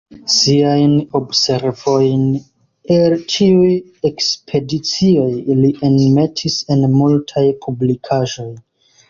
Siajn observojn el ĉiuj ekspedicioj li enmetis en multaj publikaĵoj.